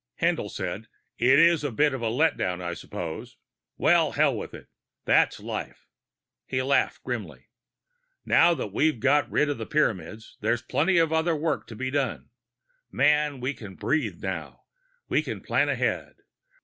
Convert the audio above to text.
Haendl said: "It is a bit of a letdown, I suppose. Well, hell with it; that's life." He laughed grimly. "Now that we've got rid of the Pyramids, there's plenty of other work to be done. Man, we can breathe now! We can plan ahead!